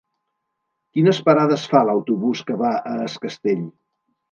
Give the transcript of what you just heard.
Quines parades fa l'autobús que va a Es Castell?